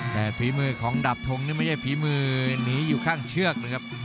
แต่ฝีมือของดาบทงนี่ไม่ใช่ฝีมือหนีอยู่ข้างเชือกนะครับ